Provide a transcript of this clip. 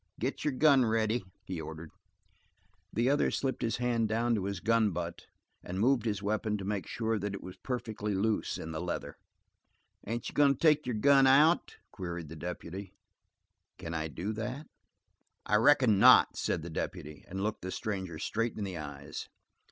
"Get your gun ready," he ordered. The other slipped his hand down to his gun butt and moved his weapon to make sure that it was perfectly loose in the leather. "Ain't you goin' to take your gun out?" queried the deputy. "Can I do that?" "I reckon not," said the deputy, and looked the stranger straight in the eyes.